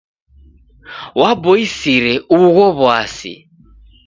W'aboisire ugho w'asi.